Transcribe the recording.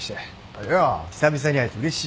いや久々に会えてうれしいよ。